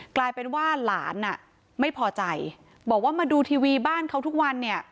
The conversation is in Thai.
กลายเป็นว่าหลานอ่ะไม่พอใจบอกว่ามาดูทีวีบ้านเขาทุกวันเนี่ย